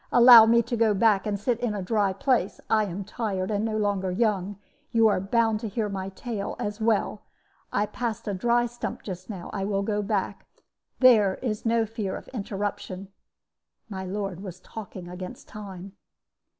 Allow me to go back and to sit in a dry place; I am tired, and no longer young; you are bound to hear my tale as well. I passed a dry stump just now; I will go back: there is no fear of interruption.' My lord was talking against time.